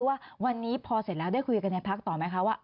ว่าวันนี้พอเสร็จแล้วได้คุยกันในพักต่อไหมคะว่า